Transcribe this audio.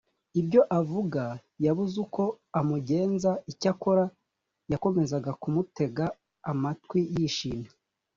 ibyo avuga yabuze uko amugenza icyakora yakomezaga kumutega amatwi yishimye